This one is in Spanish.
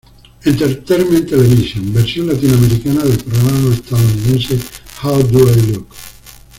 Entertainment Television, versión latinoamericana del programa estadounidense How do I look.